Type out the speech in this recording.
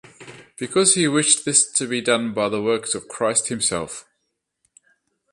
Because he wished this to be done by the works of Christ Himself.